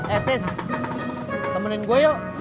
eh tis temenin gua yuk